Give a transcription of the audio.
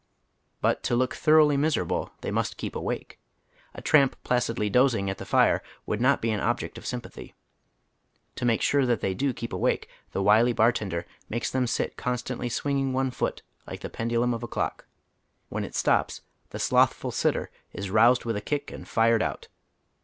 But to look tlioronghly miserable they must keep awake. A tramp placidly dozing at the iire would not be an object of sympathy. To make sure that they do keep awake, the wily bartender makes them eit constantly swing ing one foot like the pendulum of a clock. When it fltops the slothful "sitter" is roused with a kick and "fired out."